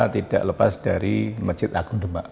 tidak lepas dari masjid agung demak